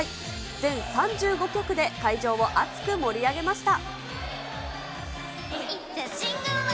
全３５曲で会場を熱く盛り上げました。